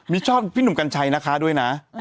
มีชอบพี่หนุ่มกัญชัยนะคะด้วยนะ